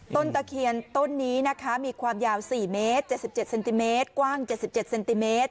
ตะเคียนต้นนี้นะคะมีความยาว๔เมตร๗๗เซนติเมตรกว้าง๗๗เซนติเมตร